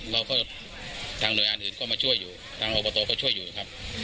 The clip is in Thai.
เราก็ทางหน่วยงานอื่นก็มาช่วยอยู่ทางอบตก็ช่วยอยู่ครับ